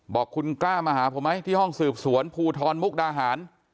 บอกคุณกล้ามาหาผมไหมที่ห้องสืบสวนภูทรมุกดาหาร